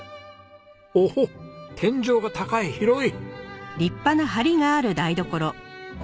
おおっ天井が高い広い！